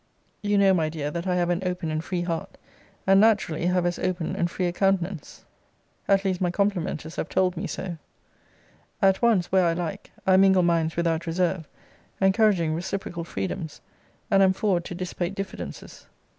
You know, my dear, that I have an open and free heart; and naturally have as open and free a countenance; at least my complimenters have told me so. At once, where I like, I mingle minds without reserve, encouraging reciprocal freedoms, and am forward to dissipate diffidences.